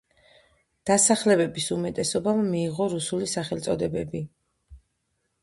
დასახლებების უმეტესობამ მიიღო რუსული სახელწოდებები.